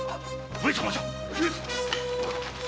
上様じゃ！